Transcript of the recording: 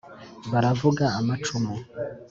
baravuga amacumu